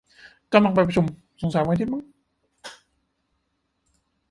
กำลังไปประชุม สงสัยวันอาทิตย์มั้ง